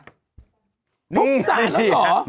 ทุบสารแล้วหรอ